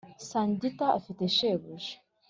Sangita afite shebuja .